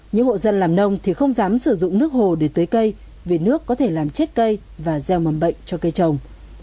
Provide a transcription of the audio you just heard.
những hộ dân làm nông thì không dám sử dụng nước hồ để tưới cây vì nước có thể làm chết cây và gieo mầm bệnh cho cây trồng